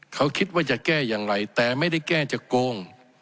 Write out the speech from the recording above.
เขาคิดว่าจะแก้อย่างไรแต่ไม่ได้แก้จะโกง